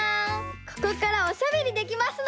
ここからおしゃべりできますの！